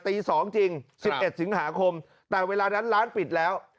ตีสองจริงสิบเอ็ดสิบหาคมแต่เวลานั้นร้านปิดแล้วอ๋อ